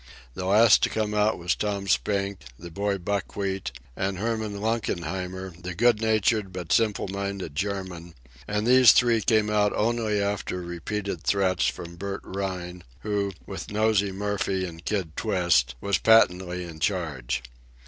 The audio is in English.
The last to come out were Tom Spink, the boy Buckwheat, and Herman Lunkenheimer, the good natured but simple minded German; and these three came out only after repeated threats from Bert Rhine, who, with Nosey Murphy and Kid Twist, was patently in charge.